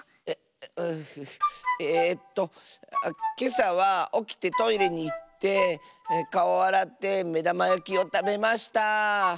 えっとけさはおきてトイレにいってかおあらってめだまやきをたべました。